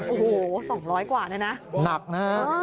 โอ้โห๒๐๐กว่าเนี่ยนะหนักนะฮะ